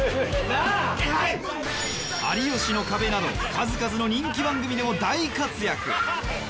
『有吉の壁』など数々の人気番組でも大活躍